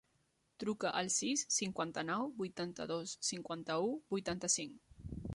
Truca al sis, cinquanta-nou, vuitanta-dos, cinquanta-u, vuitanta-cinc.